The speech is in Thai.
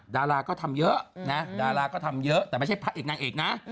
ดาราก็ทำเยอะนะดาราก็ทำเยอะแต่ไม่ใช่พระเอกนางเอกนะ